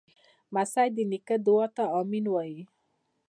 لمسی د نیکه دعا ته “امین” وایي.